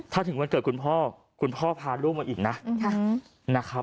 ถ้าถึงวันเกิดคุณพ่อคุณพ่อพาลูกมาอีกนะนะครับ